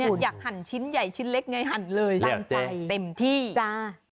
อยากหั่นชิ้นใหญ่ชิ้นเล็กไงหั่นเลยตั้งใจเต็มที่จ้า